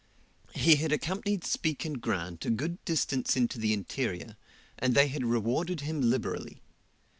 He had accompanied Speke and Grant a good distance into the interior, and they had rewarded him liberally.